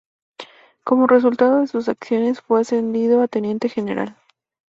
Como resultado de sus acciones fue ascendido a Teniente General.